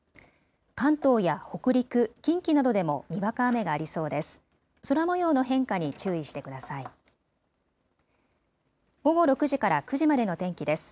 関東や北陸、近畿などでもにわか雨がありそうです。